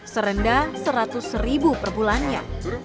serendah seratus ribu per bulannya